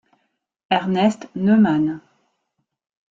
Ernest Neumann.